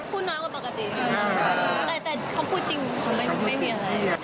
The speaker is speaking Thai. พูดน้อยกว่าปกติแต่เขาพูดจริงเขาไม่มีอะไร